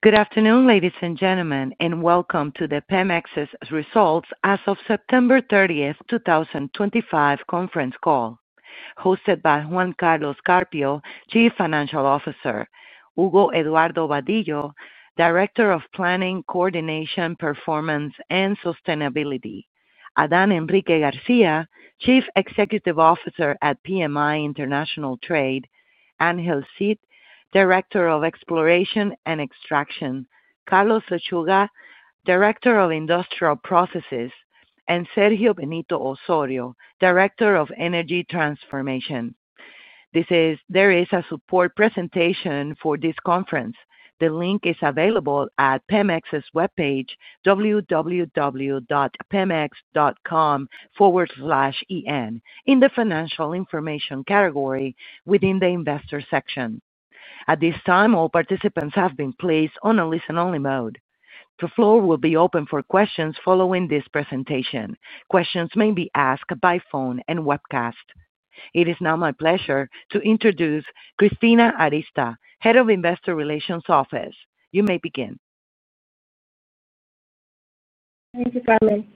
Good afternoon, ladies and gentlemen, and welcome to the Pemex results as of September 30, 2025 conference call. Hosted by Juan-Carlos Carpio, Chief Financial Officer; Hugo-Eduardo Badillo, Director of Planning, Coordination, Performance, and Sustainability; Adán Enrique García, Chief Executive Officer at PMI International Trade; Angel Cid, Director of Exploration and Extraction; Carlos Ochuga, Director of Industrial Processes; and Sergio Benito Osorio, Director of Energy Transformation. There is a support presentation for this conference. The link is available at Pemex's webpage www.pemex.com/en in the Financial Information category within the Investor section. At this time, all participants have been placed on a listen-only mode. The floor will be open for questions following this presentation. Questions may be asked by phone and webcast. It is now my pleasure to introduce Cristina Arista, Head of Investor Relations Office. You may begin. Thank you, Carmen.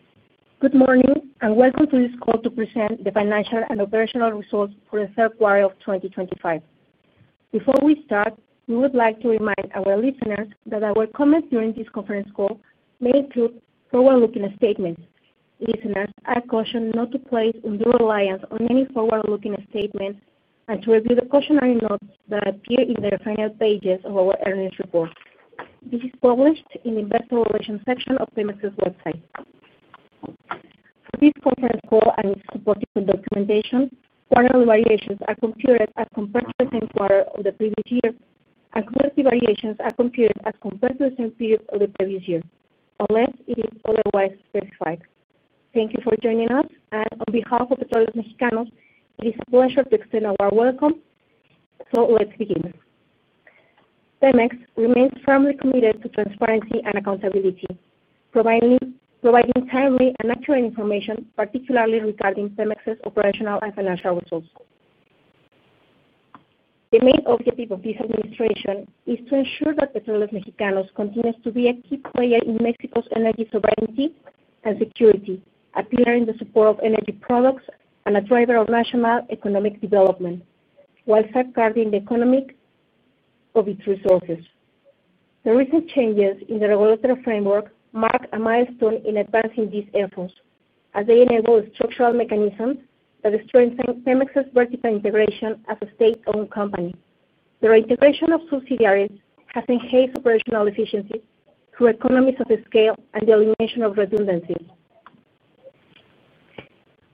Good morning and welcome to this call to present the Financial and Operational Results for the third quarter of 2025. Before we start, we would like to remind our listeners that our comments during this conference call may include forward-looking statements. Listeners, I caution not to place undue reliance on any forward-looking statements and to review the cautionary notes that appear in the final pages of our earnings report. This is published in the Investor Relations section of Pemex's website. For this conference call and its supporting documentation, quarterly variations are computed as compared to the same quarter of the previous year, and quarterly variations are computed as compared to the same period of the previous year unless it is otherwise specified. Thank you for joining us, and on behalf of Petróleos Mexicanos, it is a pleasure to extend our welcome. Let's begin. Pemex remains firmly committed to transparency and accountability, providing timely and accurate information, particularly regarding Pemex's operational and financial results. The main objective of this administration is to ensure that Petróleos Mexicanos continues to be a key player in Mexico's energy sovereignty and security, appearing in the support of energy products and a driver of national economic development while safeguarding the economics of its resources. The recent changes in the regulatory framework mark a milestone in advancing these efforts as they enable the structural mechanisms that strengthen Pemex's vertical integration as a state-owned company. The integration of subsidiaries has enhanced operational efficiency through economies of scale and the elimination of redundancies.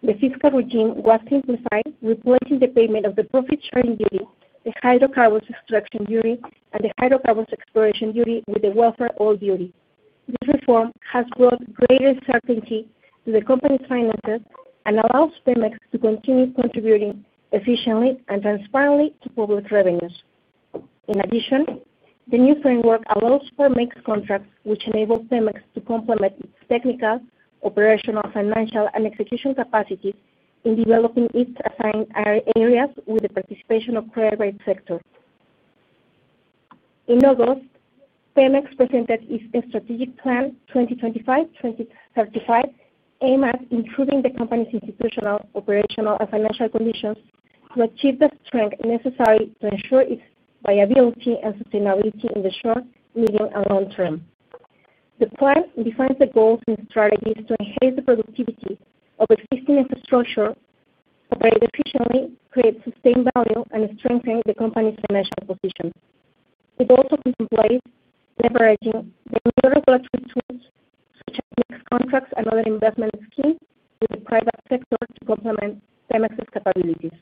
The fiscal regime was simplified, replacing the payment of the profit-sharing duty, the hydrocarbons extraction duty, and the hydrocarbons exploration duty with the welfare oil duty. This reform has brought greater certainty to the company's finances and allows Pemex to continue contributing efficiently and transparently to public revenues. In addition, the new framework allows for mixed contracts, which enable Pemex to complement its technical, operational, financial, and execution capacities in developing its assigned areas with the participation of the credit rate sector. In August, Pemex presented its Strategic Plan 2025-2035, aimed at improving the company's institutional, operational, and financial conditions to achieve the strength necessary to ensure its viability and sustainability in the short, medium, and long term. The plan defines the goals and strategies to enhance the productivity of existing infrastructure, operate efficiently, create sustained value, and strengthen the company's financial position. It also is in place leveraging the tools such as mixed contracts and other investment schemes with the private sector to complement Pemex's capabilities.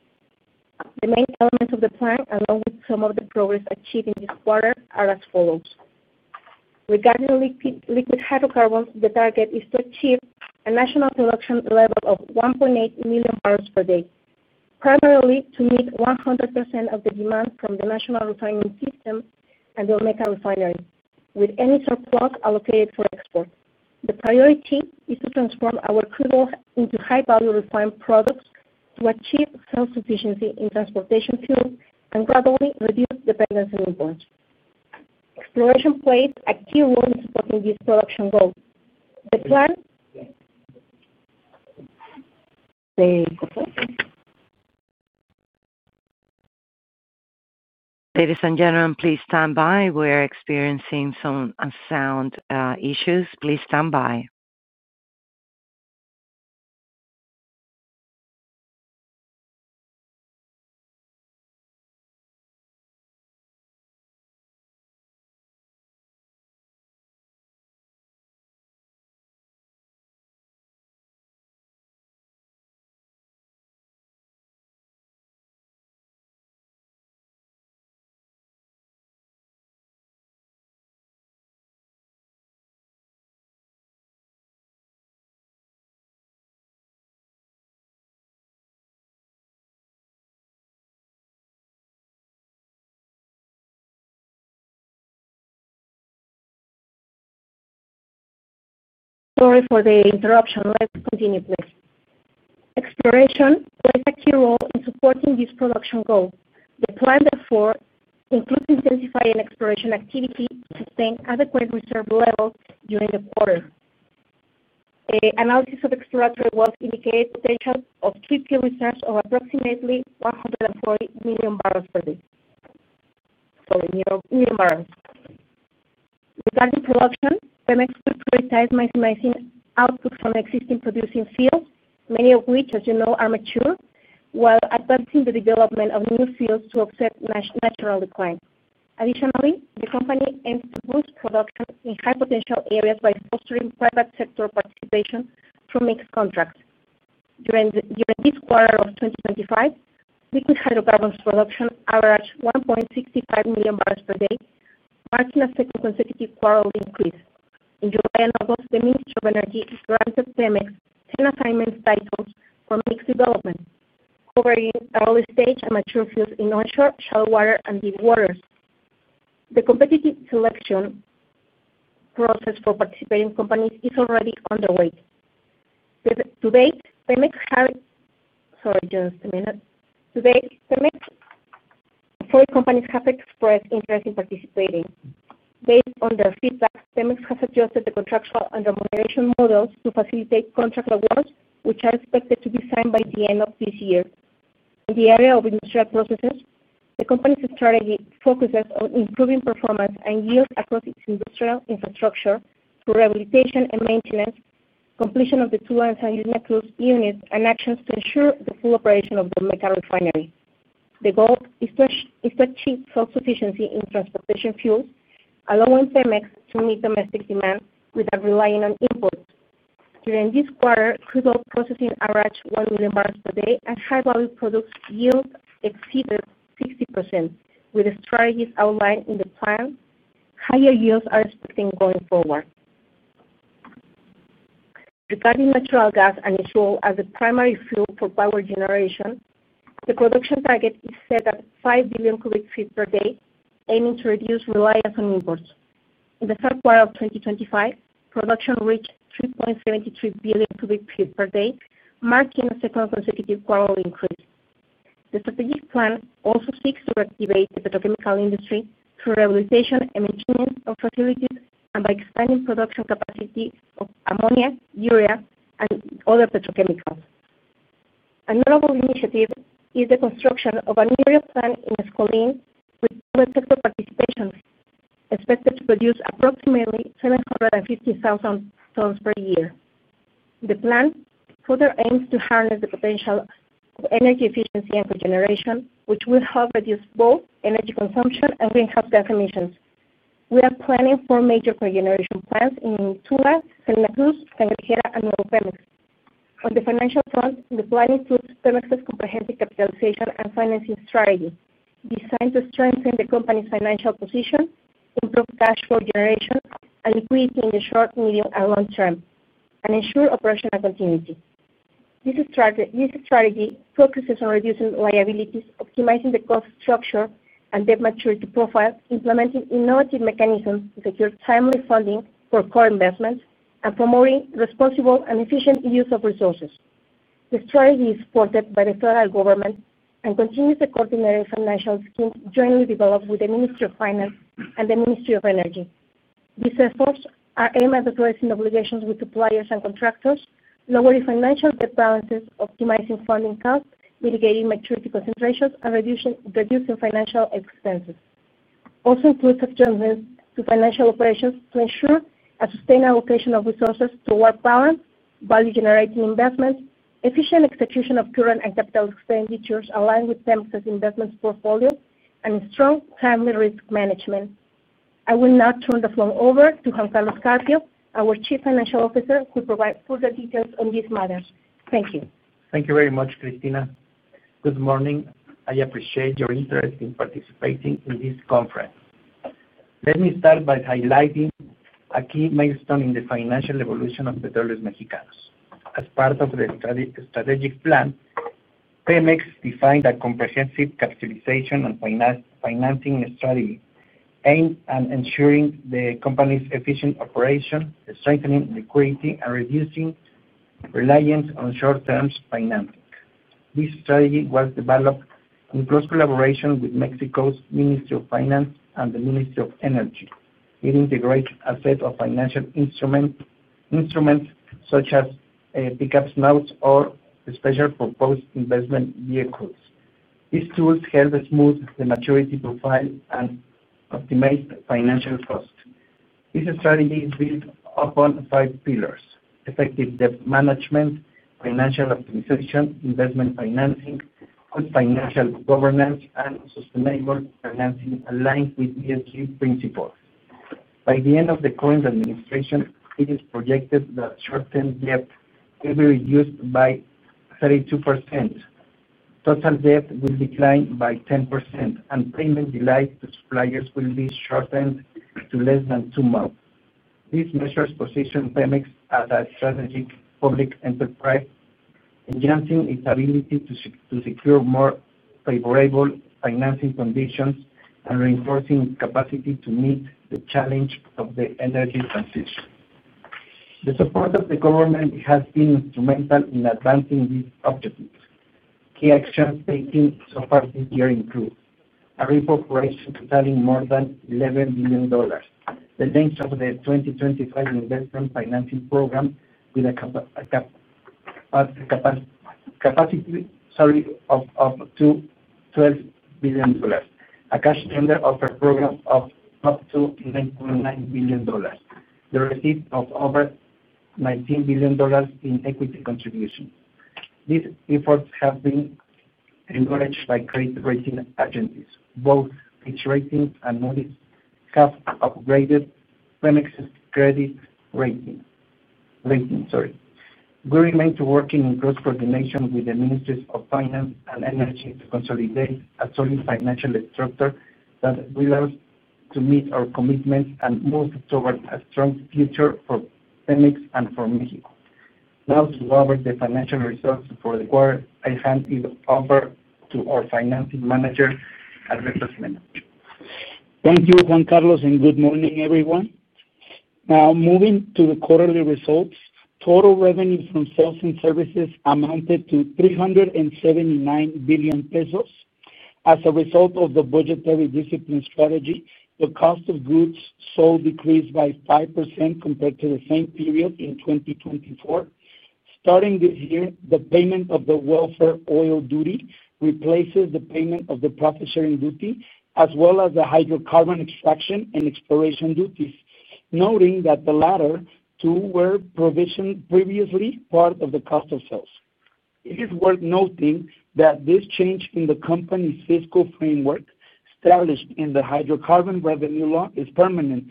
The main elements of the plan, along with some of the progress achieved in this quarter, are as follows. Regarding liquid hydrocarbons, the target is to achieve a national production level of 1.8 million barrels per day, primarily to meet 100% of the demand from the National Refining System and the Olmeca Refinery, with any surplus allocated for export. The priority is to transform our crude oil into high-value refined products to achieve self-sufficiency in transportation fuel and gradually reduce dependency on imports. Exploration plays a key role in supporting these production goals. The plan... Ladies and gentlemen, please stand by. We are experiencing some sound issues. Please stand by. Sorry for the interruption. Let's continue, please. Exploration plays a key role in supporting these production goals. The plan, therefore, includes intensifying exploration activity to sustain adequate reserve levels during the quarter. Analysis of exploratory wealth indicates the potential of 50 reserves of approximately 140 million barrels. Regarding production, Pemex will prioritize maximizing output from existing producing fields, many of which, as you know, are mature, while advancing the development of new fields to offset natural decline. Additionally, the company aims to boost production in high-potential areas by fostering private sector participation through mixed contracts. During this quarter of 2025, liquid hydrocarbons production averaged 1.65 million barrels per day, marking a second consecutive quarterly increase. In July and August, the Ministry of Energy granted Pemex 10 assignment titles for mixed development, covering early-stage and mature fields in onshore, shallow water, and deep waters. The competitive selection process for participating companies is already underway. To date, Pemex companies have expressed interest in participating. Based on their feedback, Pemex has adjusted the contractual and remuneration models to facilitate contract awards, which are expected to be signed by the end of this year. In the area of industrial processes, the company's strategy focuses on improving performance and yield across its industrial infrastructure through rehabilitation and maintenance, completion of the two and some unit cruise units, and actions to ensure the full operation of the Olmeca Refinery. The goal is to achieve self-sufficiency in transportation fuels, allowing Pemex to meet domestic demand without relying on imports. During this quarter, crude oil processing averaged 1 million barrels per day, and high-value products' yields exceeded 60%. With the strategies outlined in the plan, higher yields are expected going forward. Regarding natural gas and its role as the primary fuel for power generation, the production target is set at 5 billion cubic feet per day, aiming to reduce reliance on imports. In the third quarter of 2025, production reached 3.73 billion cubic feet per day, marking a second consecutive quarterly increase. The strategic plan also seeks to activate the petrochemical industry through rehabilitation and maintenance of facilities and by expanding production capacity of ammonia, urea, and other petrochemicals. Another initiative is the construction of a new oil plant in Escolín with public sector participation, expected to produce approximately 750,000 tons per year. The plan further aims to harness the potential of energy efficiency and regeneration, which will help reduce both energy consumption and greenhouse gas emissions. We are planning four major regeneration plants in Tula, Santa Cruz, Tenerife, and Nuevo Fénix. On the financial front, the plan includes Pemex's comprehensive capitalization and financing strategy, designed to strengthen the company's financial position, improve cash flow generation, and liquidity in the short, medium, and long term, and ensure operational continuity. This strategy focuses on reducing liabilities, optimizing the cost structure and debt maturity profile, implementing innovative mechanisms to secure timely funding for core investments, and promoting responsible and efficient use of resources. The strategy is supported by the federal government and continues the coordinated financial schemes jointly developed with the Ministry of Finance and the Ministry of Energy. These efforts aim at addressing obligations with suppliers and contractors, lowering financial debt balances, optimizing funding costs, mitigating maturity concentrations, and reducing financial expenses. It also includes adjustments to financial operations to ensure a sustained allocation of resources toward balanced, value-generating investments, efficient execution of current and capital expenditures aligned with Pemex's investments portfolio, and strong, timely risk management. I will now turn the floor over to Juan Carlos Carpio, our Chief Financial Officer, who will provide further details on these matters. Thank you. Thank you very much, Cristina. Good morning. I appreciate your interest in participating in this conference. Let me start by highlighting a key milestone in the financial evolution of Petróleos Mexicanos. As part of the strategic plan, Pemex defined a comprehensive capitalization and financing strategy, aimed at ensuring the company's efficient operation, strengthening liquidity, and reducing reliance on short-term financing. This strategy was developed in close collaboration with Mexico's Ministry of Finance and the Ministry of Energy. It integrates a set of financial instruments such as Precapitalized Notes or Special Proposed Investment Vehicles. These tools help smooth the maturity profile and optimize financial costs. This strategy is built upon five pillars: effective debt management, financial optimization, investment financing, good financial governance, and sustainable financing, aligned with ESG principles. By the end of the current administration, it is projected that short-term debt will be reduced by 32%, total debt will decline by 10%, and payment delays to suppliers will be shortened to less than two months. These measures position Pemex as a strategic public enterprise, enhancing its ability to secure more favorable financing conditions and reinforcing its capacity to meet the challenge of the energy transition. The support of the government has been instrumental in advancing these objectives. Key actions taken so far this year include a reincorporation selling more than $11 billion, the launch of the 2025 Investment Financing Program with a capacity of up to $12 billion, a cash tender offer program of up to $9.9 billion, the receipt of over $19 billion in equity contributions. These efforts have been encouraged by credit rating agencies. Both Fitch Ratings and Moody's have upgraded Pemex's credit rating. We remain to work in close coordination with the Ministries of Finance and Energy to consolidate a solid financial structure that will help to meet our commitments and move toward a strong future for Pemex and for Mexico. Now, to go over the financial results for the quarter, I hand it over to our Financing Manager, Alberto Jiménez. Thank you, Juan Carlos, and good morning, everyone. Now, moving to the quarterly results, total revenue from sales and services amounted to $379 billion pesos. As a result of the budgetary discipline strategy, the cost of goods saw a decrease by 5% compared to the same period in 2024. Starting this year, the payment of the welfare oil duty replaces the payment of the profit-sharing duty, as well as the hydrocarbon extraction and exploration duties, noting that the latter two were previously provisioned as part of the cost of sales. It is worth noting that this change in the company's fiscal framework established in the Hydrocarbon Revenue Law is permanent.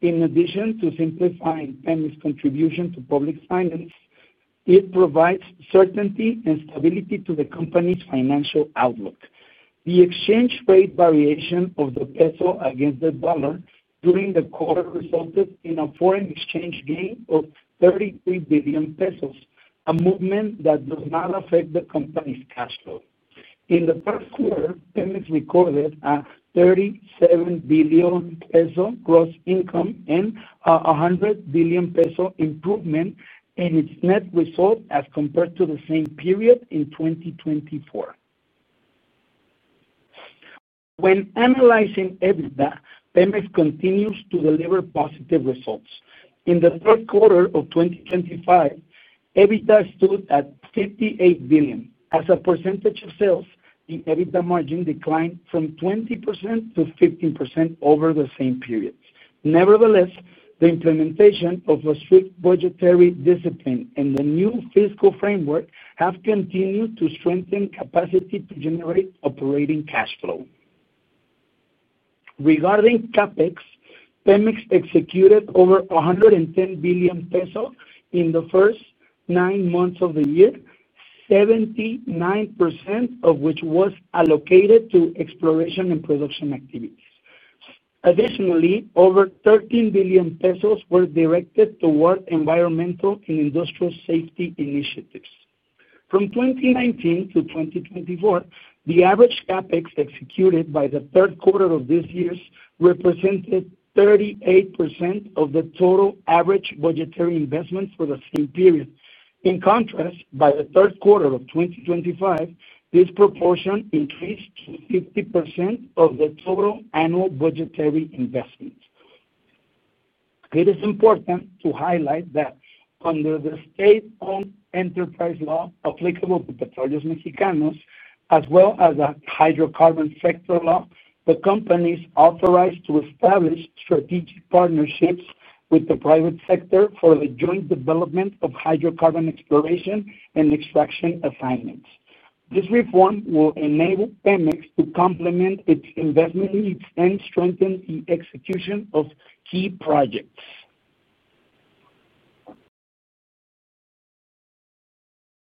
In addition to simplifying Pemex's contribution to public finance, it provides certainty and stability to the company's financial outlook. The exchange rate variation of the peso against the dollar during the quarter resulted in a foreign exchange gain of $33 billion pesos, a movement that does not affect the company's cash flow. In the first quarter, Pemex recorded a $37 billion peso gross income and a $100 billion peso improvement in its net result as compared to the same period in 2024. When analyzing EBITDA, Pemex continues to deliver positive results. In the third quarter of 2025, EBITDA stood at $58 billion. As a percentage of sales, the EBITDA margin declined from 20% to 15% over the same period. Nevertheless, the implementation of a strict budgetary discipline and the new fiscal framework have continued to strengthen capacity to generate operating cash flow. Regarding CapEx, Pemex executed over $110 billion pesos in the first nine months of the year, 79% of which was allocated to exploration and production activities. Additionally, over $13 billion pesos were directed toward environmental and industrial safety initiatives. From 2019 to 2024, the average CapEx executed by the third quarter of this year represented 38% of the total average budgetary investment for the same period. In contrast, by the third quarter of 2025, this proportion increased to 50% of the total annual budgetary investment. It is important to highlight that under the State-Owned Enterprise Law applicable to Petróleos Mexicanos, as well as the Hydrocarbon Sector Law, the company is authorized to establish strategic partnerships with the private sector for the joint development of hydrocarbon exploration and extraction assignments. This reform will enable Pemex to complement its investment needs and strengthen the execution of key projects.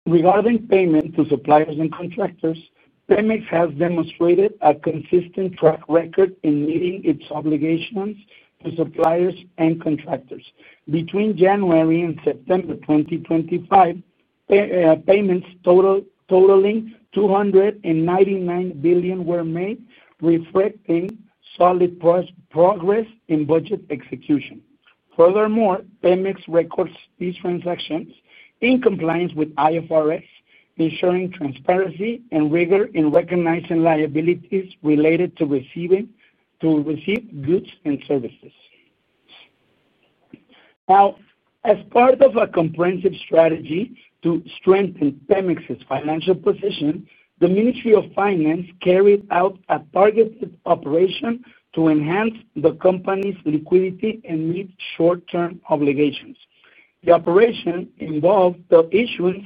Regarding payment to suppliers and contractors, Pemex has demonstrated a consistent track record in meeting its obligations to suppliers and contractors. Between January and September 2025, payments totaling $299 billion were made, reflecting solid progress in budget execution. Furthermore, Pemex records these transactions in compliance with IFRS, ensuring transparency and rigor in recognizing liabilities related to receiving goods and services. Now, as part of a comprehensive strategy to strengthen Pemex's financial position, the Ministry of Finance carried out a targeted operation to enhance the company's liquidity and meet short-term obligations. The operation involved the issuance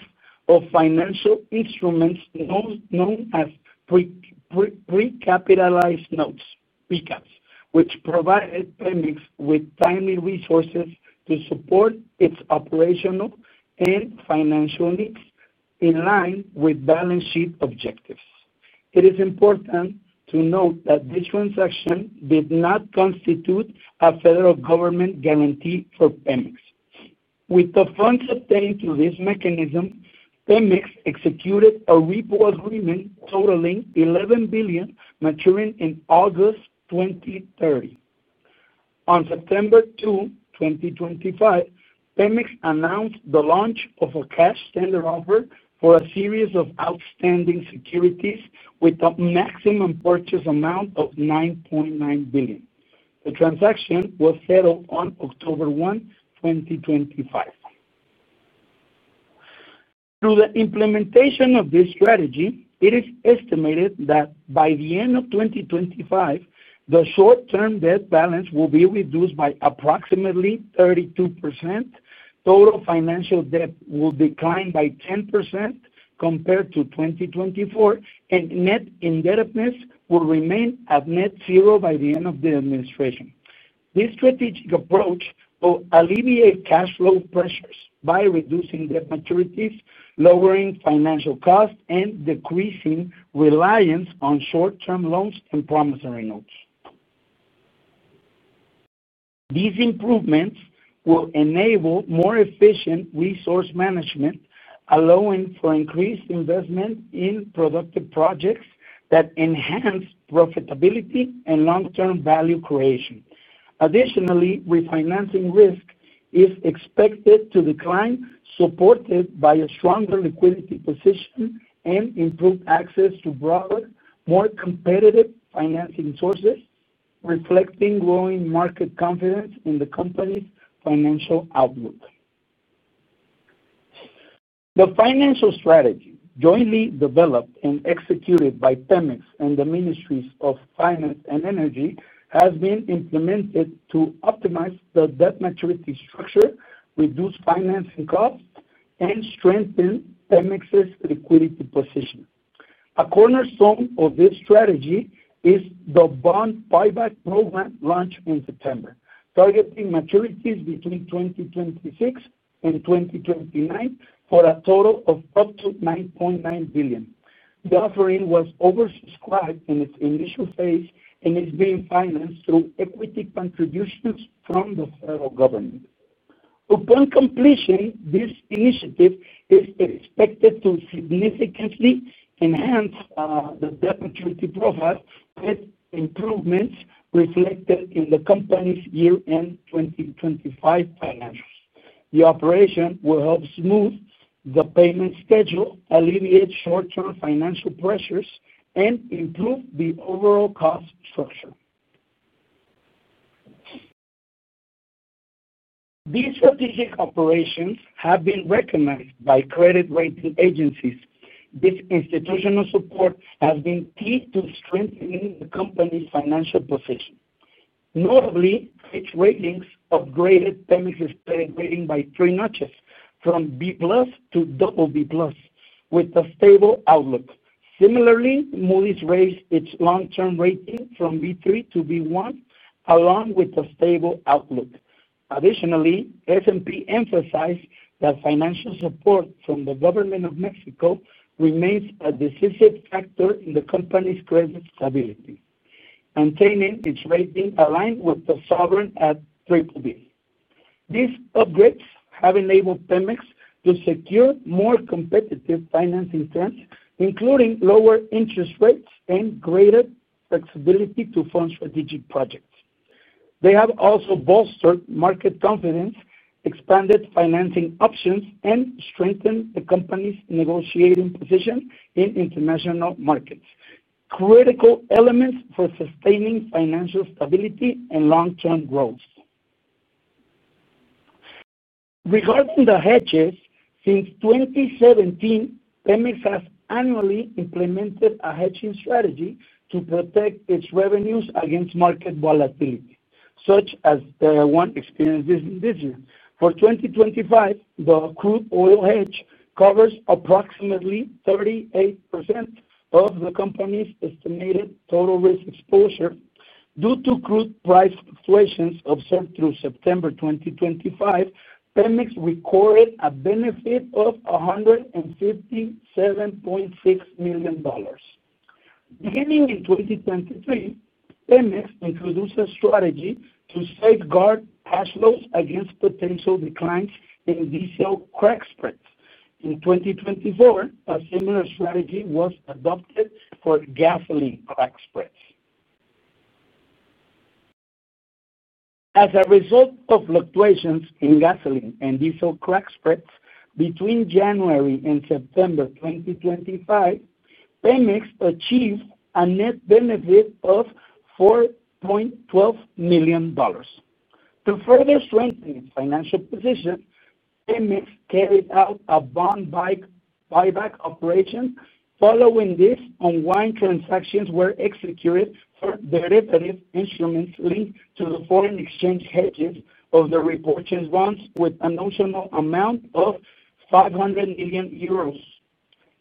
of financial instruments known as Precapitalized Notes (PCAPs), which provided Pemex with timely resources to support its operational and financial needs in line with balance sheet objectives. It is important to note that this transaction did not constitute a federal government guarantee for Pemex. With the funds obtained through this mechanism, Pemex executed a repo agreement totaling $11 billion, maturing in August 2030. On September 2, 2025, Pemex announced the launch of a cash tender offer for a series of outstanding securities with a maximum purchase amount of $9.9 billion. The transaction was settled on October 1, 2025. Through the implementation of this strategy, it is estimated that by the end of 2025, the short-term debt balance will be reduced by approximately 32%, total financial debt will decline by 10% compared to 2024, and net indebtedness will remain at net zero by the end of the administration. This strategic approach will alleviate cash flow pressures by reducing debt maturities, lowering financial costs, and decreasing reliance on short-term loans and promissory notes. These improvements will enable more efficient resource management, allowing for increased investment in productive projects that enhance profitability and long-term value creation. Additionally, refinancing risk is expected to decline, supported by a stronger liquidity position and improved access to broader, more competitive financing sources, reflecting growing market confidence in the company's financial outlook. The financial strategy jointly developed and executed by Pemex and the Ministries of Finance and Energy has been implemented to optimize the debt maturity structure, reduce financing costs, and strengthen Pemex's liquidity position. A cornerstone of this strategy is the bond buyback program launched in September, targeting maturities between 2026 and 2029 for a total of up to $9.9 billion. The offering was oversubscribed in its initial phase and is being financed through equity contributions from the federal government. Upon completion, this initiative is expected to significantly enhance the debt maturity profile with improvements reflected in the company's year-end 2025 financials. The operation will help smooth the payment schedule, alleviate short-term financial pressures, and improve the overall cost structure. These strategic operations have been recognized by credit rating agencies. This institutional support has been key to strengthening the company's financial position. Notably, Fitch Ratings upgraded Pemex's credit rating by three notches from B+ to BB+, with a stable outlook. Similarly, Moody's rates its long-term rating from B3 to B1, along with a stable outlook. Additionally, S&P emphasized that financial support from the government of Mexico remains a decisive factor in the company's credit stability, maintaining its rating aligned with the sovereign at BBB. These upgrades have enabled Pemex to secure more competitive financing terms, including lower interest rates and greater flexibility to fund strategic projects. They have also bolstered market confidence, expanded financing options, and strengthened the company's negotiating position in international markets, critical elements for sustaining financial stability and long-term growth. Regarding the hedges, since 2017, Pemex has annually implemented a hedging strategy to protect its revenues against market volatility, such as the one experienced this year. For 2025, the crude oil hedge covers approximately 38% of the company's estimated total risk exposure. Due to crude price fluctuations observed through September 2025, Pemex recorded a benefit of $157.6 million. Beginning in 2023, Pemex introduced a strategy to safeguard cash flows against potential declines in diesel crack spreads. In 2024, a similar strategy was adopted for gasoline crack spreads. As a result of fluctuations in gasoline and diesel crack spreads between January and September 2025, Pemex achieved a net benefit of $4.12 million. To further strengthen its financial position, Pemex carried out a bond buyback operation. Following this, ongoing transactions were executed for derivative instruments linked to the foreign exchange hedges of the repurchase bonds, with a notional amount of €500 million.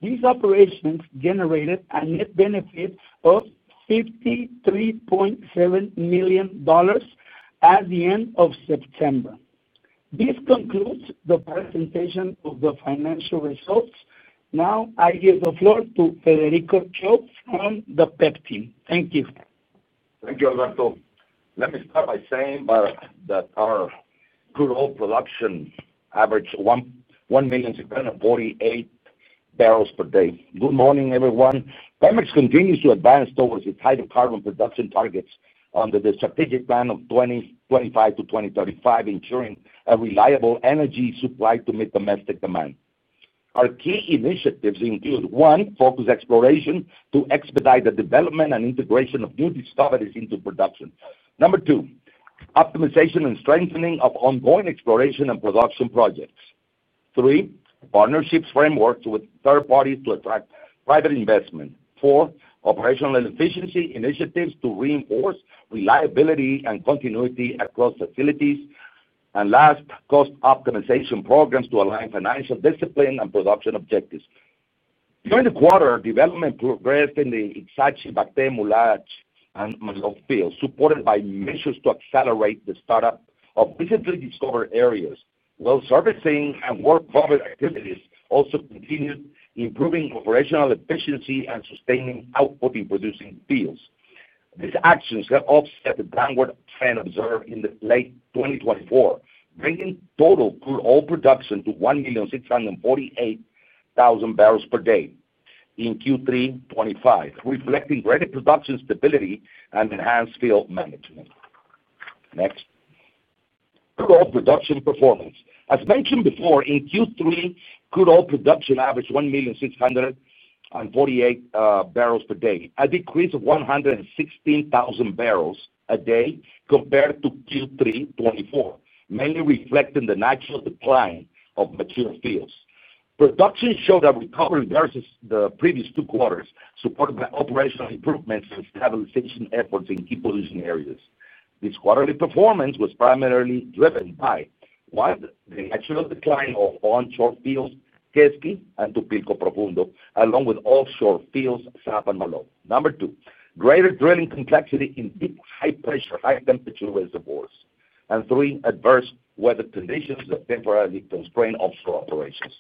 These operations generated a net benefit of $53.7 million at the end of September. This concludes the presentation of the financial results. Now, I give the floor to Federico Chow from the PEP Team. Thank you. Thank you, Alberto. Let me start by saying that our crude oil production averaged 1,648,000 barrels per day. Good morning, everyone. Pemex continues to advance towards its hydrocarbon production targets under the Strategic Plan of 2025 to 2035, ensuring a reliable energy supply to meet domestic demand. Our key initiatives include, one, focused exploration to expedite the development and integration of new discoveries into production. Number two, optimization and strengthening of ongoing exploration and production projects. Three, partnership frameworks with third parties to attract private investment. Four, operational efficiency initiatives to reinforce reliability and continuity across facilities. Last, cost optimization programs to align financial discipline and production objectives. During the quarter, development progressed in the Exactly, Bacteria, Mulage, and Manure fields, supported by measures to accelerate the startup of recently discovered areas. Well servicing and workover activities also continued, improving operational efficiency and sustaining output in producing fields. These actions helped offset the downward trend observed in late 2024, bringing total crude oil production to 1,648,000 barrels per day in Q3 2025, reflecting greater production stability and enhanced field management. Next, crude oil production performance. As mentioned before, in Q3, crude oil production averaged 1,648,000 barrels per day, a decrease of 116,000 barrels per day compared to Q3 2024, mainly reflecting the natural decline of mature fields. Production showed a recovery versus the previous two quarters, supported by operational improvements and stabilization efforts in key production areas. This quarterly performance was primarily driven by, one, the natural decline of onshore fields, Keski and Tupilco Profundo, along with offshore fields, Sapa and Malo. Number two, greater drilling complexity in deep, high-pressure, high-temperature reservoirs. Three, adverse weather conditions that temporarily constrained offshore operations.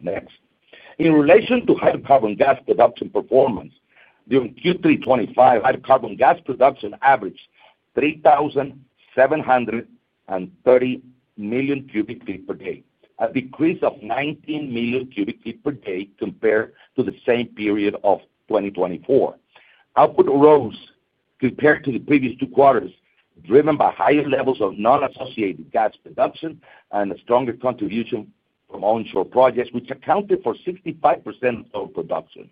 Next, in relation to hydrocarbon gas production performance during Q3 2025, hydrocarbon gas production averaged 3,730 million cubic feet per day, a decrease of 19 million cubic feet per day compared to the same period of 2024. Output rose compared to the previous two quarters, driven by higher levels of non-associated gas production and a stronger contribution from onshore projects, which accounted for 65% of production.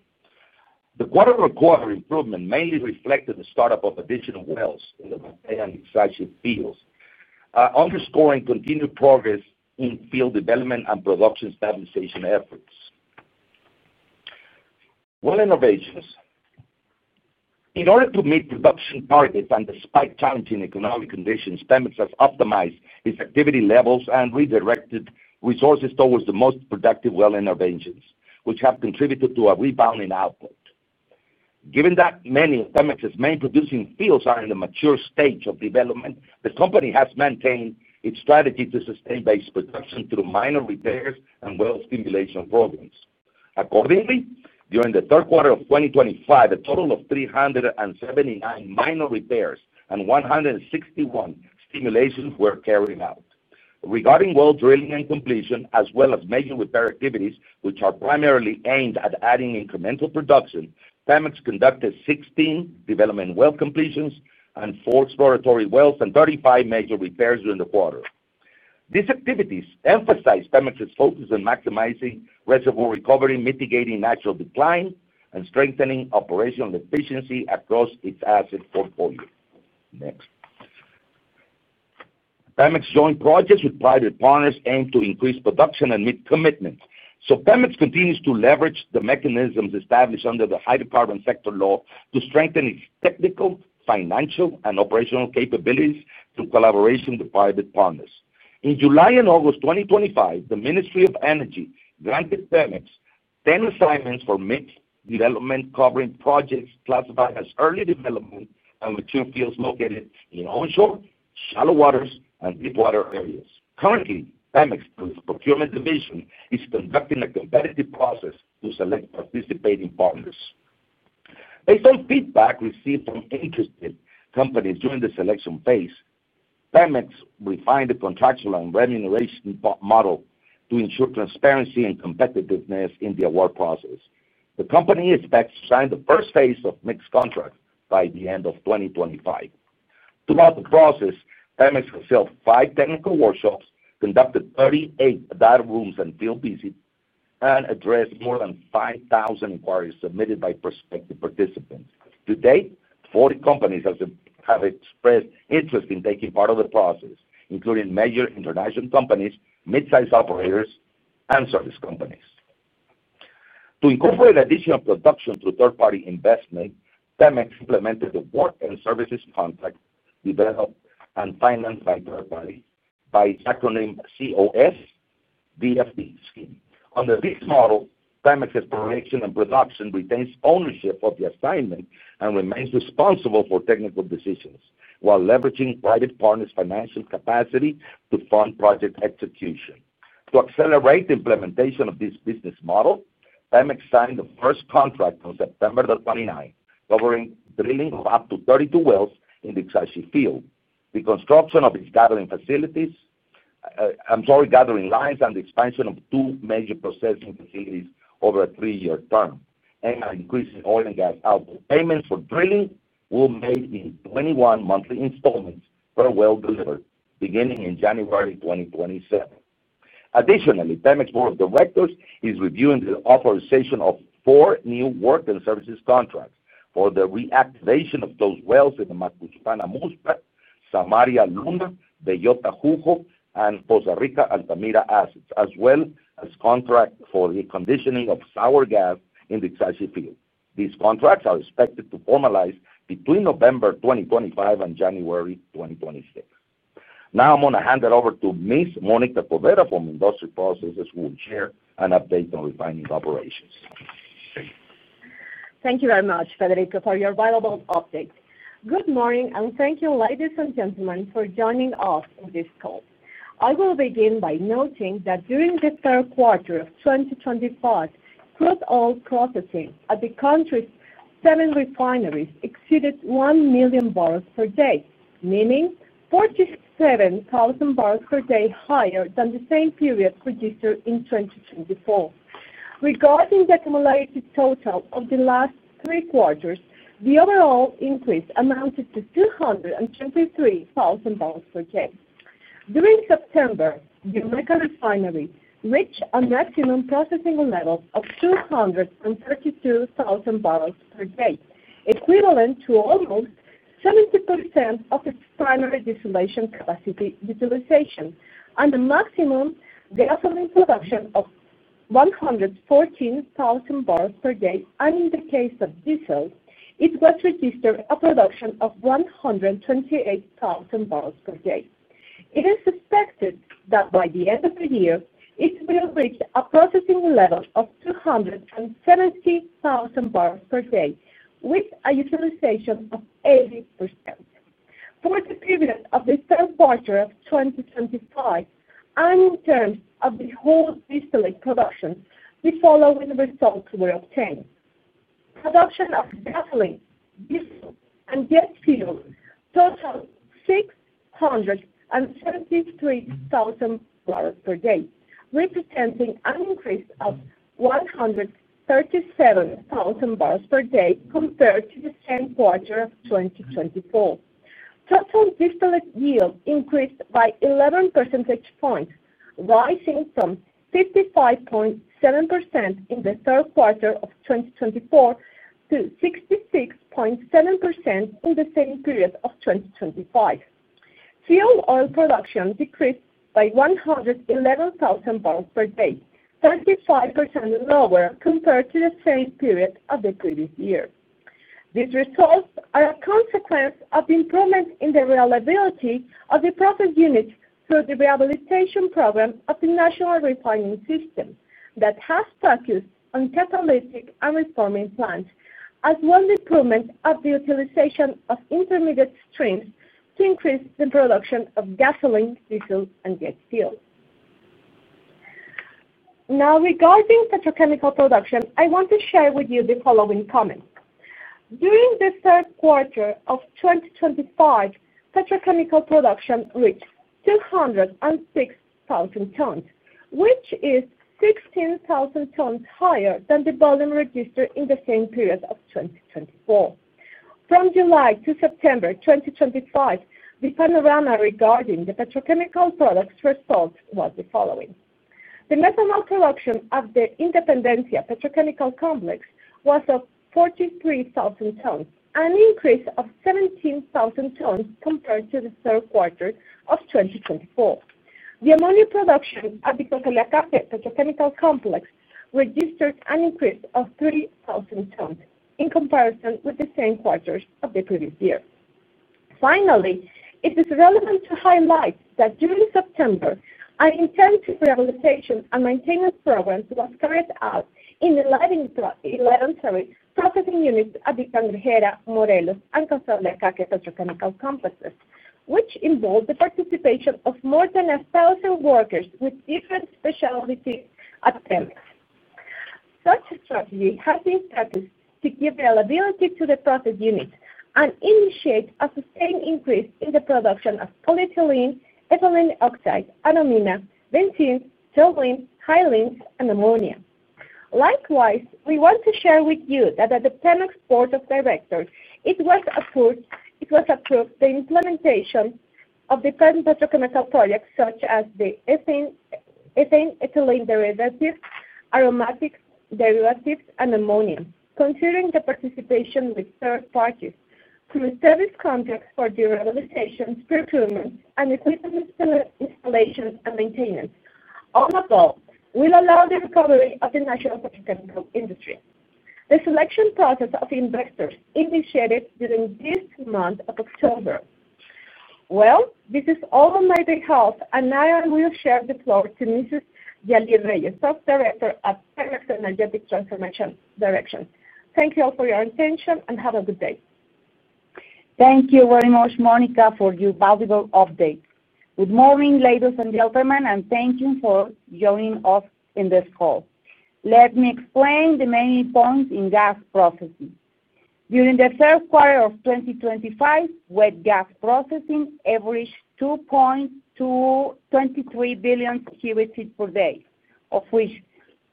The quarter required improvement mainly reflected the startup of additional wells in the Batey and Exactly fields, underscoring continued progress in field development and production stabilization efforts. Well interventions. In order to meet production targets and despite challenging economic conditions, Pemex has optimized its activity levels and redirected resources towards the most productive well interventions, which have contributed to a rebound in output. Given that many of Pemex's main producing fields are in the mature stage of development, the company has maintained its strategy to sustain base production through minor repairs and well stimulation programs. Accordingly, during the third quarter of 2025, a total of 379 minor repairs and 161 stimulations were carried out. Regarding well drilling and completion, as well as major repair activities, which are primarily aimed at adding incremental production, Pemex conducted 16 development well completions and four exploratory wells and 35 major repairs during the quarter. These activities emphasize Pemex's focus on maximizing reservoir recovery, mitigating natural decline, and strengthening operational efficiency across its asset portfolio. Next, Pemex's joint projects with private partners aim to increase production and meet commitments. Pemex continues to leverage the mechanisms established under the hydrocarbon sector law to strengthen its technical, financial, and operational capabilities through collaboration with private partners. In July and August 2025, the Ministry of Energy granted Pemex 10 assignments for mixed development, covering projects classified as early development and mature fields located in onshore, shallow waters, and deep water areas. Currently, Pemex's procurement division is conducting a competitive process to select participating partners. Based on feedback received from interested companies during the selection phase, Pemex refined the contractual and remuneration model to ensure transparency and competitiveness in the award process. The company expects to sign the first phase of mixed contracts by the end of 2025. Throughout the process, Pemex has held five technical workshops, conducted 38 data rooms and field visits, and addressed more than 5,000 inquiries submitted by prospective participants. To date, 40 companies have expressed interest in taking part of the process, including major international companies, mid-sized operators, and service companies. To incorporate additional production through third-party investment, Pemex implemented the Work and Services Contract Developed and Financed by Third Parties, by the acronym COS DFD scheme. Under this model, Pemex's production and production retains ownership of the assignment and remains responsible for technical decisions while leveraging private partners' financial capacity to fund project execution. To accelerate the implementation of this business model, Pemex signed the first contract on September 29, covering drilling of up to 32 wells in the Exactly field, the construction of its gathering lines, and the expansion of two major processing facilities over a three-year term. By increasing oil and gas output payments for drilling, we'll make 21 monthly installments per well delivered, beginning in January 2027. Additionally, Pemex Board of Directors is reviewing the authorization of four new work and services contracts for the reactivation of those wells in the Macutucana Muspa, Samaria Luna, the Yota Jujo, and Puerto Rica Altamira assets, as well as contracts for the conditioning of sour gas in the Exactly field. These contracts are expected to formalize between November 2025 and January 2026. Now, I'm going to hand it over to Ms. Monica Corvera from Industrial Processes, who will share an update on refining operations. Thank you very much, Federico, for your valuable update. Good morning, and thank you, ladies and gentlemen, for joining us on this call. I will begin by noting that during the third quarter of 2025, crude oil processing at the country's seven refineries exceeded 1 million barrels per day, meaning 47,000 barrels per day higher than the same period registered in 2024. Regarding the accumulated total of the last three quarters, the overall increase amounted to 223,000 barrels per day. During September, the Olmeca Refinery reached a maximum processing level of 232,000 barrels per day, equivalent to almost 70% of its primary distillation capacity utilization, and a maximum gasoline production of 114,000 barrels per day. In the case of diesel, it was registered a production of 128,000 barrels per day. It is expected that by the end of the year, it will reach a processing level of 270,000 barrels per day with a utilization of 80%. For the period of the third quarter of 2025, and in terms of the whole distillate production, the following results were obtained. Production of gasoline, diesel, and jet fuel totaled 673,000 barrels per day, representing an increase of 137,000 barrels per day compared to the same quarter of 2024. Total distillate yield increased by 11 percentage points, rising from 55.7% in the third quarter of 2024 to 66.7% in the same period of 2025. Fuel oil production decreased by 111,000 barrels per day, 35% lower compared to the same period of the previous year. These results are a consequence of the improvement in the reliability of the process units through the rehabilitation program of the National Refining System that has focused on catalytic and reforming plants, as well as the improvement of the utilization of intermediate streams to increase the production of gasoline, diesel, and jet fuel. Now, regarding petrochemical production, I want to share with you the following comments. During the third quarter of 2025, petrochemical production reached 206,000 tons, which is 16,000 tons higher than the volume registered in the same period of 2024. From July to September 2025, the panorama regarding the petrochemical products' results was the following. The methanol production of the Independencia Petrochemical Complex was of 43,000 tons, an increase of 17,000 tons compared to the third quarter of 2024. The ammonia production of the Cangrejera Petrochemical Complex registered an increase of 3,000 tons in comparison with the same quarters of the previous year. Finally, it is relevant to highlight that during September, an intensive rehabilitation and maintenance program was carried out in the 11 processing units at the Cangrejera, Morelos, and Cangrejera Petrochemical Complexes, which involved the participation of more than 1,000 workers with different specialties at Pemex. Such a strategy has been practiced to give reliability to the process units and initiate a sustained increase in the production of polyethylene, ethylene oxide, ammonia, benzene, toluene, hyaline, and ammonia. Likewise, we want to share with you that at the Pemex Board of Directors, it was approved the implementation of the Pemex petrochemical projects, such as the ethane-ethylene derivatives, aromatic derivatives, and ammonia, considering the participation with third parties through service contracts for the rehabilitation, procurement, and equipment installation and maintenance. All of all, will allow the recovery of the natural petrochemical industry. The selection process of investors initiated during this month of October. This is all on my behalf, and I will share the floor to Mrs. Yali Reyes, Subdirector of Pemex Energy Transformation Direction. Thank you all for your attention and have a good day. Thank you very much, Monica, for your valuable update. Good morning, ladies and gentlemen, and thank you for joining us in this call. Let me explain the main points in gas processing. During the third quarter of 2025, wet gas processing averaged 2.23 billion cubic feet per day, of which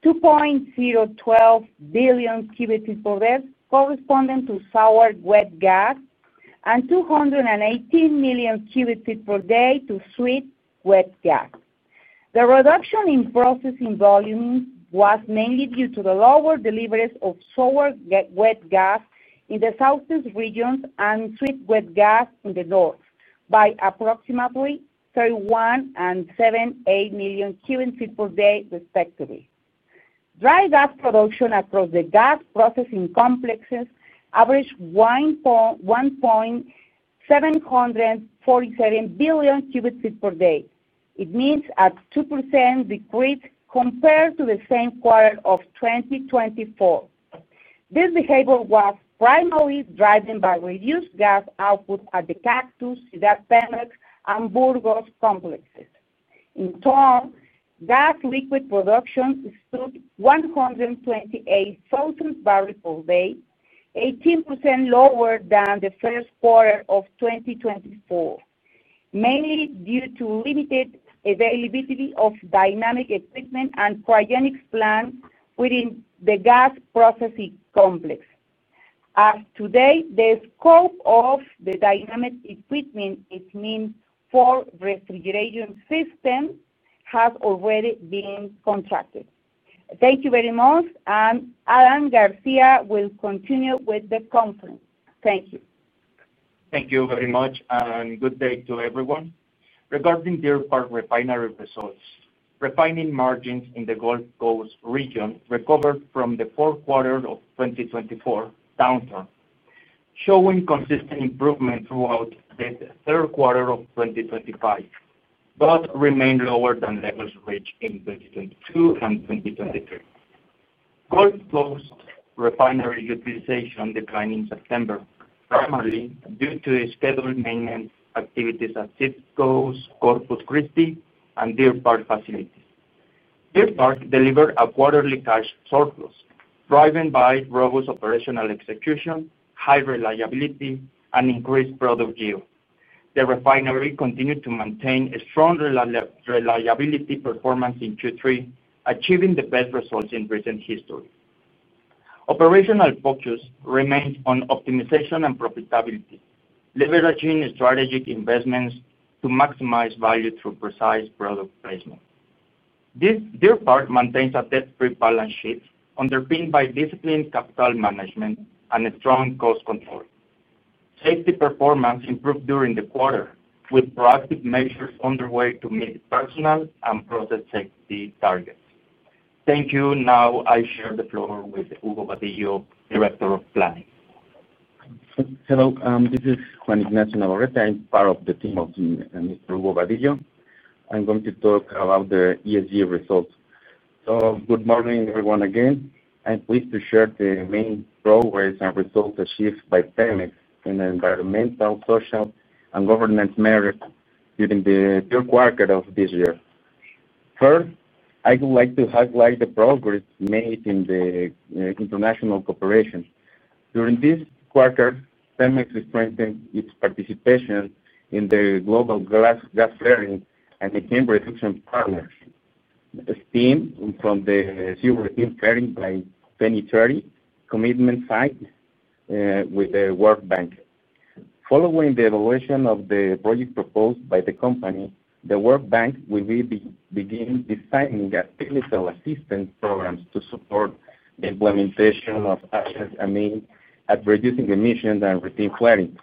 2.012 billion cubic feet per day corresponded to sour wet gas and 218 million cubic feet per day to sweet wet gas. The reduction in processing volumes was mainly due to the lower deliveries of sour wet gas in the southeast regions and sweet wet gas in the north by approximately 31.78 million cubic feet per day, respectively. Dry gas production across the gas processing complexes averaged 1.747 billion cubic feet per day. It means a 2% decrease compared to the same quarter of 2024. This behavior was primarily driven by reduced gas output at the Cactus, SIDAC Pemex, and Burgos complexes. In turn, gas liquid production stood at 128,000 barrels per day, 18% lower than the first quarter of 2024, mainly due to limited availability of dynamic equipment and cryogenic plants within the gas processing complex. As of today, the scope of the dynamic equipment, it means four refrigeration systems, has already been contracted. Thank you very much, and Adán Enrique García will continue with the conference. Thank you. Thank you very much, and good day to everyone. Regarding the refinery results, refining margins in the Gulf Coast region recovered from the four quarters of 2024 downturn, showing consistent improvement throughout the third quarter of 2025, but remained lower than levels reached in 2022 and 2023. Gulf Coast refinery utilization declined in September, primarily due to scheduled maintenance activities at Citgo's Corpus Christi and Deer Park facilities. Deer Park delivered a quarterly cash surplus, driven by robust operational execution, high reliability, and increased product yield. The refinery continued to maintain a strong reliability performance in Q3, achieving the best results in recent history. Operational focus remains on optimization and profitability, leveraging strategic investments to maximize value through precise product placement. Deer Park maintains a debt-free balance sheet, underpinned by disciplined capital management and strong cost control. Safety performance improved during the quarter, with proactive measures underway to meet personal and process safety targets. Thank you. Now, I share the floor with Hugo Badillo, Director of Planning, Coordination, Performance, and Sustainability. Hello. This is Juan Ignacio Navarrete. I'm part of the team of Mr. Hugo Eduardo Badillo. I'm going to talk about the ESG results. Good morning, everyone, again. I'm pleased to share the main progress and results achieved by Pemex in the environmental, social, and governance matters during the third quarter of this year. First, I would like to highlight the progress made in the international cooperation. During this quarter, Pemex strengthened its participation in the Global Gas Flaring and the Clean Reduction Partnership, STEAM, from the Silver STEAM Flaring by 2030 commitment signed with the World Bank. Following the evaluation of the project proposed by the company, the World Bank will be beginning designing a technical assistance program to support the implementation of assets aimed at reducing emissions and reducing flaring,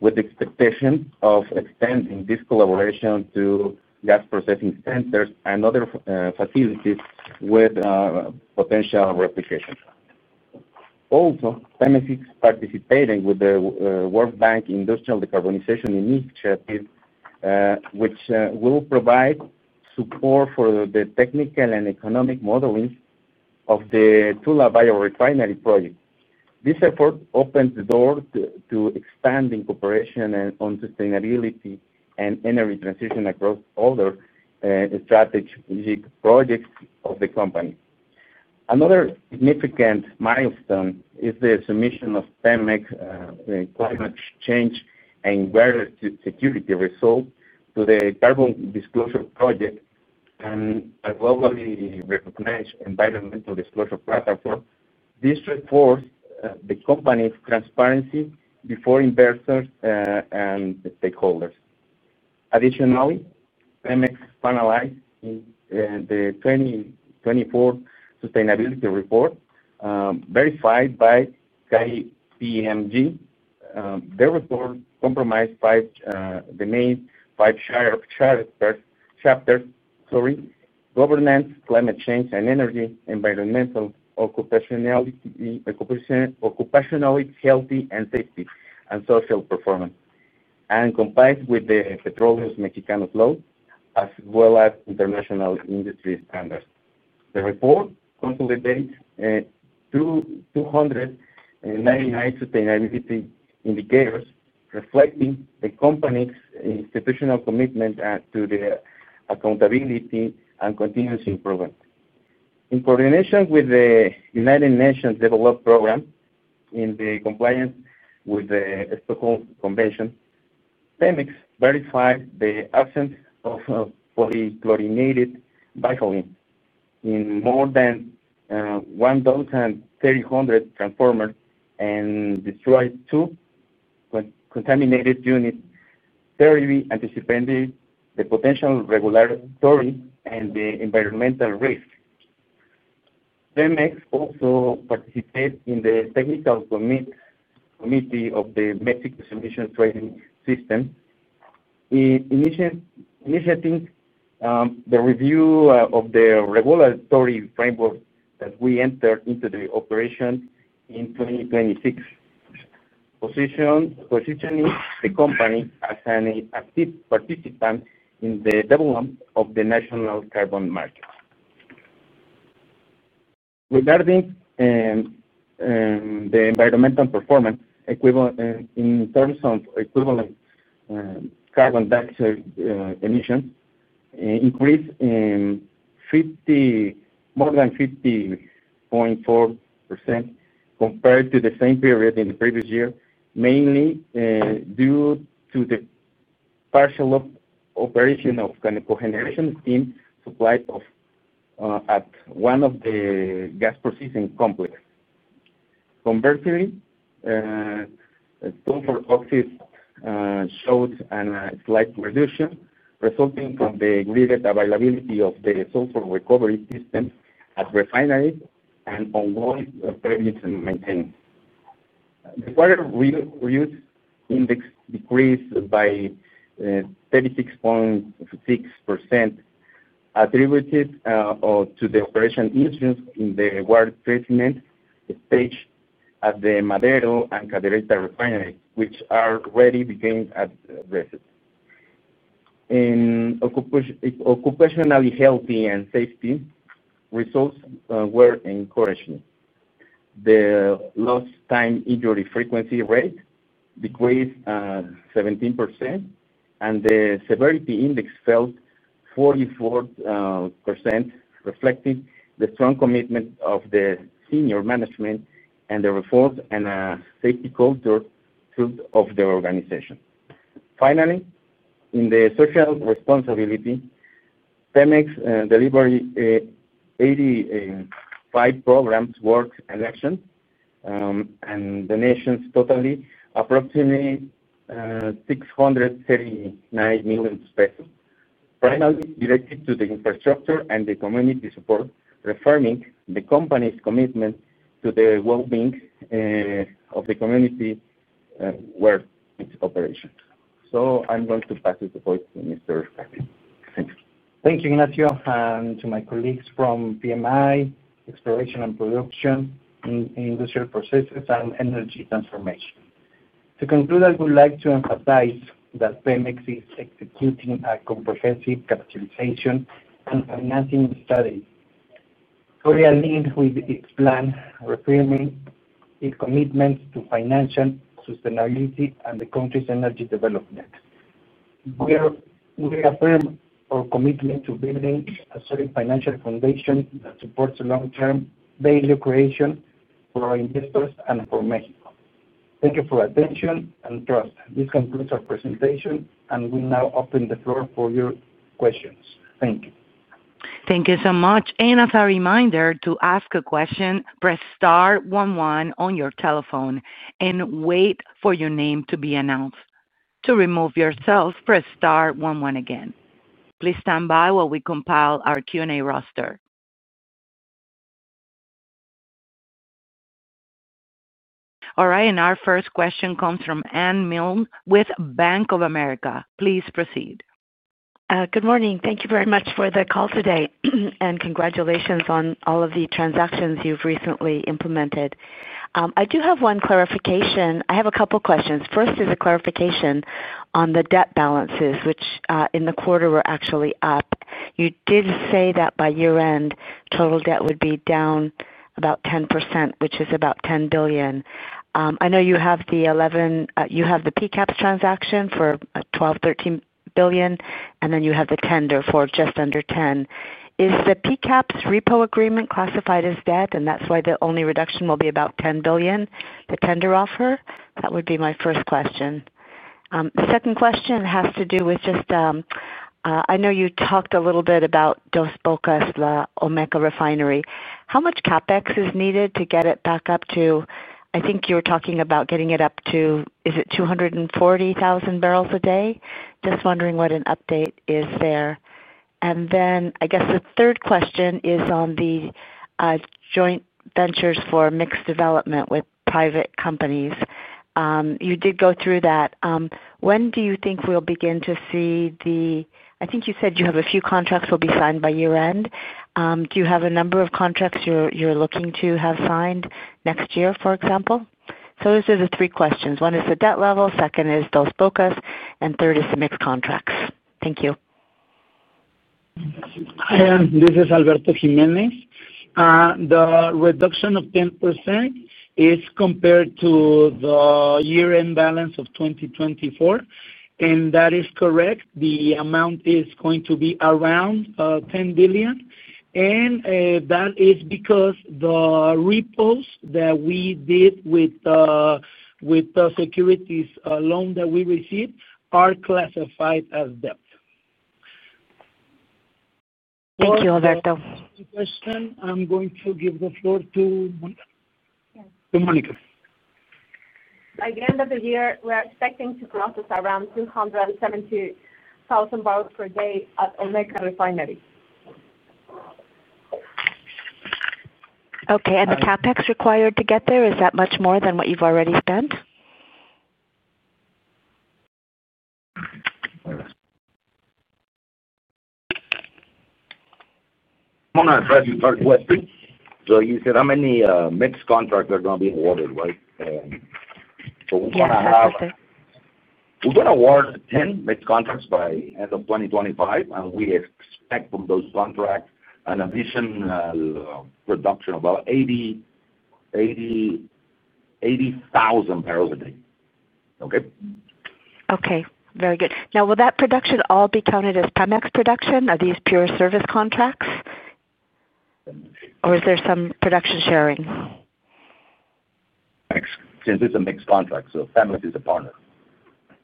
with the expectation of extending this collaboration to gas processing centers and other facilities with potential replication. Also, Pemex is participating with the World Bank Industrial Decarbonization Initiative, which will provide support for the technical and economic modeling of the Tula Biorefinery project. This effort opens the door to expanding cooperation on sustainability and energy transition across other strategic projects of the company. Another significant milestone is the submission of Pemex's climate change and environmental security results to the Carbon Disclosure Project, a globally recognized environmental disclosure platform. This reinforces the company's transparency before investors and stakeholders. Additionally, Pemex finalized the 2024 Sustainability Report, verified by KPMG. The report comprised the main five chapters: governance, climate change and energy, environmental, occupational health and safety, and social performance, and complies with the Petróleos Mexicanos law, as well as international industry standards. The report consolidates 299 sustainability indicators, reflecting the company's institutional commitment to accountability and continuous improvement. In coordination with the United Nations Development Program in compliance with the Stockholm Convention, Pemex verified the absence of polychlorinated biphenyl in more than 1,300 transformers and destroyed two contaminated units, thoroughly anticipating the potential regulatory and environmental risks. Pemex also participated in the technical committee of the Mexico Solutions Trading System, initiating the review of the regulatory framework that will enter into operation in 2026, positioning the company as an active participant in the development of the national carbon market. Regarding the environmental performance, in terms of equivalent carbon dioxide emissions, it increased more than 50.4% compared to the same period in the previous year, mainly due to the partial operation of the cogeneration steam supply at one of the gas processing complexes. Conversely, sulfur oxide showed a slight reduction, resulting from the greater availability of the sulfur recovery system at refineries and ongoing previous maintenance. The water reuse index decreased by 36.6%, attributed to the operation issues in the water treatment stage at the Madero and Cadereyta refineries, which are already beginning at residues. Occupational health and safety results were encouraging. The lost time injury frequency rate decreased 17%, and the severity index fell 44%, reflecting the strong commitment of the Senior Management and the reforms and safety culture fruit of the organization. Finally, in social responsibility, Pemex delivered 85 programs' work and actions, and donations totaled approximately $639 million pesos, primarily directed to the infrastructure and the community support, reaffirming the company's commitment to the well-being of the community where its operations. I'm going to pass it over to Mr. Carpio. Thank you, Ignacio, and to my colleagues from PMI International Trade, Pemex Exploración y Producción, Pemex Transformación Industrial, and Energy Transformation. To conclude, I would like to emphasize that Pemex is executing a comprehensive capitalization and financing study. Currently, with its plan reframing its commitments to financial sustainability and the country's energy development, we reaffirm our commitment to building a solid financial foundation that supports long-term value creation for our investors and for Mexico. Thank you for your attention and trust. This concludes our presentation, and we now open the floor for your questions. Thank you. Thank you so much. As a reminder, to ask a question, press star one one on your telephone and wait for your name to be announced. To remove yourself, press star one one again. Please stand by while we compile our Q&A roster. All right, our first question comes from Ann Milne with Bank of America. Please proceed. Good morning. Thank you very much for the call today and congratulations on all of the transactions you've recently implemented. I do have one clarification. I have a couple of questions. First is a clarification on the debt balances, which in the quarter were actually up. You did say that by year-end, total debt would be down about 10%, which is about $10 billion. I know you have the PCAPS transaction for $12, $13 billion, and then you have the tender for just under $10 billion. Is the PCAPS repo agreement classified as debt, and that's why the only reduction will be about $10 billion? The tender offer? That would be my first question. The second question has to do with just, I know you talked a little bit about Dos Bocas, the Olmeca Refinery. How much CapEx is needed to get it back up to, I think you were talking about getting it up to, is it 240,000 barrels per day? Just wondering what an update is there. I guess the third question is on the joint ventures for mixed development with private companies. You did go through that. When do you think we'll begin to see the, I think you said you have a few contracts that will be signed by year-end. Do you have a number of contracts you're looking to have signed next year, for example? Those are the three questions. One is the debt level, second is Dos Bocas, and third is the mixed contracts. Thank you. Hi, Ann. This is Alberto Jiménez. The reduction of 10% is compared to the year-end balance of 2024, and that is correct. The amount is going to be around $10 billion, and that is because the repos that we did with the securities loan that we received are classified as debt. Thank you, Alberto. For the question, I'm going to give the floor to Monica Corvera. By the end of the year, we're expecting to process around 270,000 barrels per day at Olmeca Refinery. Okay. The CapEx required to get there, is that much more than what you've already spent? I'm going to address your third question. You said how many mixed contracts are going to be awarded, right? We're going to have. Yes, that's correct. We're going to award 10 mixed contracts by the end of 2025, and we expect from those contracts an additional production of about 80,000 barrels per day. Okay? Okay. Very good. Now, will that production all be counted as Pemex production? Are these pure service contracts? Or is there some production sharing? Pemex, since it's a mixed contract, Pemex is a partner.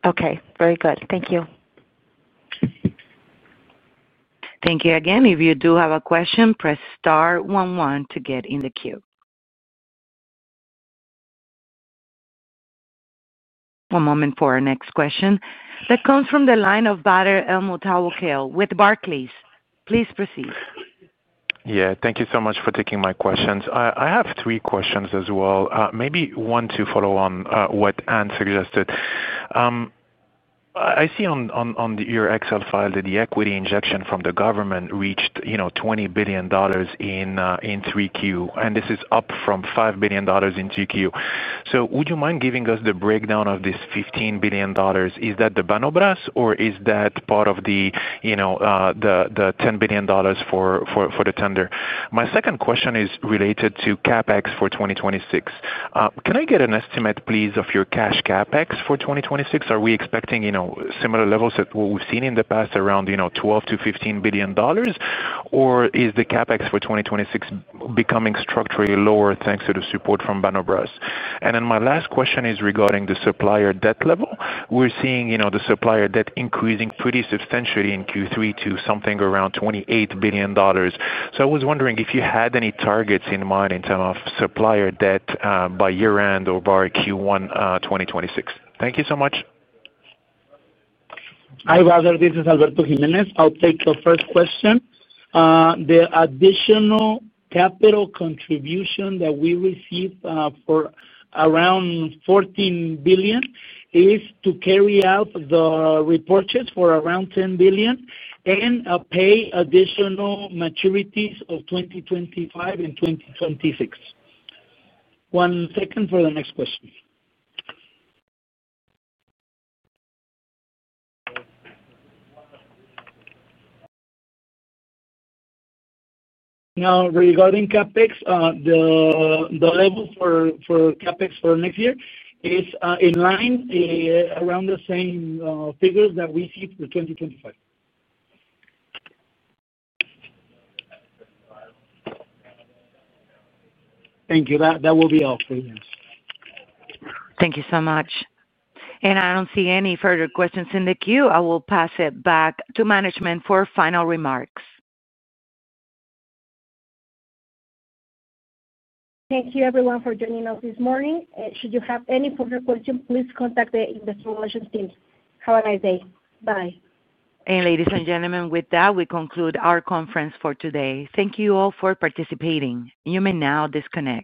Okay, very good. Thank you. Thank you again. If you do have a question, press star one one to get in the queue. One moment for our next question. That comes from the line of Badr El Moutawakil with Barclays. Please proceed. Yeah. Thank you so much for taking my questions. I have three questions as well. Maybe one to follow on what Ann suggested. I see on your Excel file that the equity injection from the government reached $20 billion in Q3, and this is up from $5 billion in Q3. Would you mind giving us the breakdown of this $15 billion? Is that the BANOBRAS, or is that part of the $10 billion for the tender? My second question is related to CapEx for 2026. Can I get an estimate, please, of your cash CapEx for 2026? Are we expecting similar levels to what we've seen in the past, around $12 to $15 billion? Or is the CapEx for 2026 becoming structurally lower thanks to the support from BANOBRAS? My last question is regarding the supplier debt level. We're seeing the supplier debt increasing pretty substantially in Q3 to something around $28 billion. I was wondering if you had any targets in mind in terms of supplier debt by year-end or by Q1 2026. Thank you so much. Hi, brother. This is Alberto Jiménez. I'll take the first question. The additional capital contribution that we receive for around $14 billion is to carry out the reporters for around $10 billion and pay additional maturities of 2025 and 2026. One second for the next question. Now, regarding CapEx, the level for CapEx for next year is in line around the same figures that we see for 2025. Thank you. That will be all for you. Thank you so much. I don't see any further questions in the queue. I will pass it back to management for final remarks. Thank you, everyone, for joining us this morning. Should you have any further questions, please contact the Industrial Relations team. Have a nice day. Bye. Ladies and gentlemen, with that, we conclude our conference for today. Thank you all for participating. You may now disconnect.